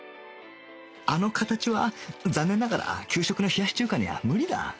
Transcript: あの形は残念ながら給食の冷やし中華には無理だ